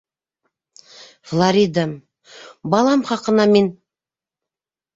Флоридам... балам хаҡына мин...